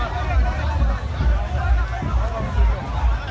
มันอาจจะไม่เอาเห็น